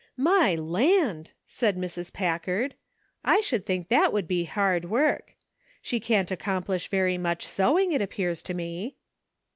" My land! " said Mrs. Packard, " I should think that would be hard work. She can't ac complish very much sewing, it appears to me."